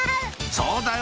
そうだよ！